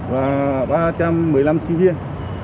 và ba trăm một mươi năm sinh viên